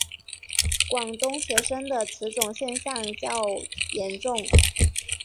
广东学生的此种现象较严重。